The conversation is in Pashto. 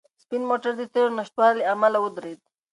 سپین موټر د تېلو د نشتوالي له امله ودرېد.